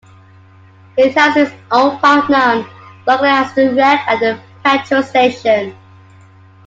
It has its own park known locally as the Rec, and a petrol station.